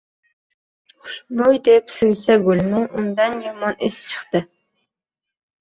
Xushbo‘y deb suysa gulni, undan yomon is chiqdi